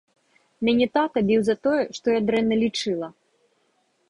Мяне тата біў за тое, што я дрэнна лічыла.